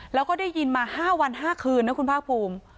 แล้วก็ได้ยินมา๕วัน๕คืนนะคุณภาคภูมิ